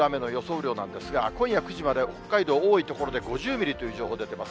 雨量なんですが、今夜９時まで、北海道、多い所で５０ミリという情報出てます。